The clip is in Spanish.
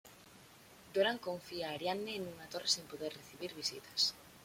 Doran confina a Arianne en una torre sin poder recibir visitas.